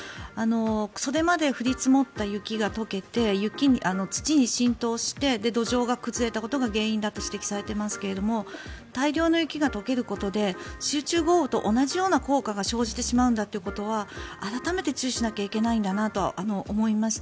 それまで降り積もった雪が解けて土に浸透して土壌が崩れたことが原因だと指摘されていますが大量の雪が解けることで集中豪雨と同じような効果が生じてしまうんだということは改めて注意しなきゃいけないんだなと思いました。